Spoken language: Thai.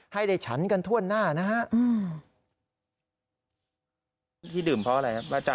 ให้ได้ฉันกันทั่วหน้านะฮะ